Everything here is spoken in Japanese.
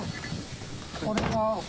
これは？